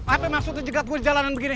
apa maksudnya jegat gue jalanan begini